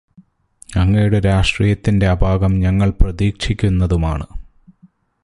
അങ്ങയുടെ രാഷ്ട്രീയത്തിന്റെ അപാകം ഞങ്ങൾ പ്രതീക്ഷിക്കുന്നതുമാണ്.